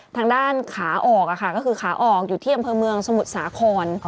ทางด้านขาออกค่ะก็คือขาออกอยู่ที่อำเภอเมืองสมุทรสาคร